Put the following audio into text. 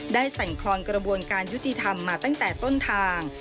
สั่นคลอนกระบวนการยุติธรรมมาตั้งแต่ต้นทาง